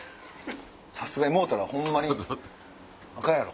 さすがにもろたらホンマにアカンやろ。